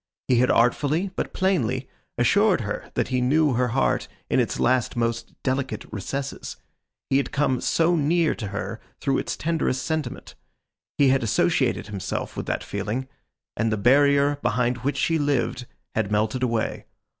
He had artfully, but plainly, assured her that he knew her heart in its last most delicate recesses; he had come so near to her through its tenderest sentiment; he had associated himself with that feeling; and the barrier behind which she lived, had melted away.